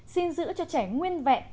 xin giữ cho trẻ nguyên vẹn